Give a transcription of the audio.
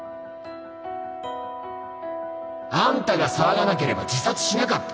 「あんたが騒がなければ自殺しなかった。